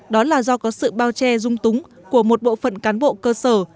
đó là do có sự bao che dung túng của một bộ phận cán bộ cơ sở